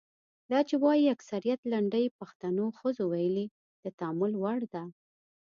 دا چې وايي اکثریت لنډۍ پښتنو ښځو ویلي د تامل وړ ده.